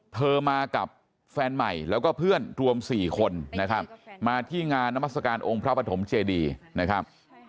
เธอมากับแฟนใหม่แล้วก็เพื่อนรวม๔คนนะครับมาที่งานนามัศกาลองค์พระปฐมเจดีนะครับ